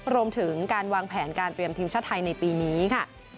รวมถึงการวางแผนการเตรียมทีมชาติไทยในปีนี้ค่ะ